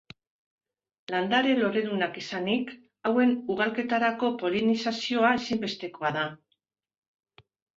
Landare loredunak izanik, hauen ugalketarako polinizazioa ezinbestekoa da.